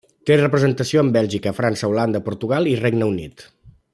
Té representació en Bèlgica, França, Holanda, Portugal i Regne Unit.